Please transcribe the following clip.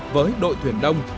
với đội thuyền đông